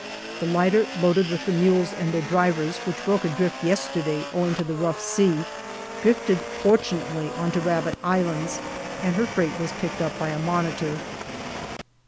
The lighter loaded with the mules and their drivers which broke adrift yesterday owing to the rough sea drifted fortunately on to Rabbit Islands, and her freight was picked up by a Monitor.